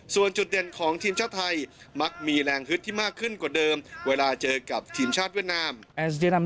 ส่วนจุดเด่นของทีมชาติไทยมักมีแรงฮึดที่มากขึ้นกว่าเดิมเวลาเจอกับทีมชาติเวียดนาม